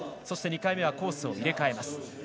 そして２回目はコースを入れ替えます。